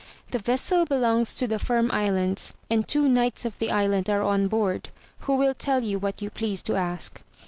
The vessel belongs to the Firm Islands, and two knights of the island are on board, who will tell you what you please to ask.